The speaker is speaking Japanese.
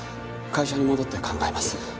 会社に戻って考えます。